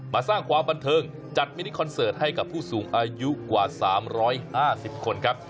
สร้างความบันเทิงจัดมินิคอนเสิร์ตให้กับผู้สูงอายุกว่า๓๕๐คนครับ